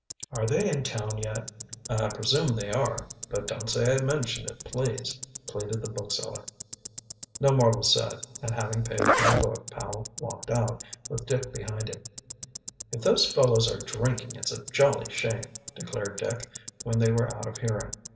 "Are they in town yet?" "I presume they are. But don't say I mentioned it, please," pleaded the bookseller. No more was said, and having paid for the book Powell walked out, with Dick behind him. "If those fellows are drinking it's a jolly shame," declared Dick, when they were out of hearing.